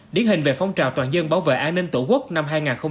điển hình về phong trào toàn dân bảo vệ an ninh tổ quốc năm hai nghìn hai mươi bốn